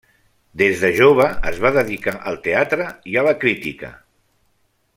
Des de jove es va dedicar al teatre i a la crítica.